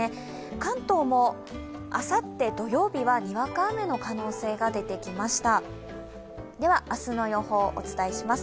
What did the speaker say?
関東もあさって、土曜日はにわか雨の可能性が出てきました。